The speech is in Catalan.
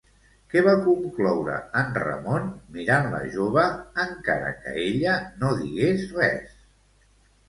Què va concloure en Ramon mirant la jove encara que ella no digués res?